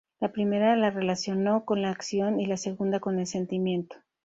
La primera la relacionó con la acción y la segunda con el sentimiento.